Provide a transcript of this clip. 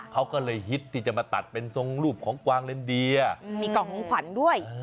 เขาก็เลยฮิตที่จะมาตัดเป็นทรงรูปของกวางเลนเดียมีกล่องของขวัญด้วย